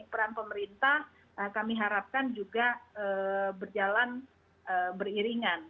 peran pemerintah kami harapkan juga berjalan beriringan